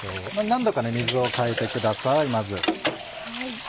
何度か水を替えてください。